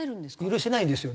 許せないですよ。